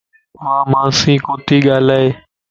وامانسين ڪوتي ڳالھائي